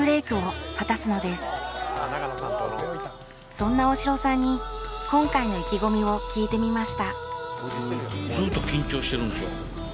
そんな大城さんに今回の意気込みを聞いてみました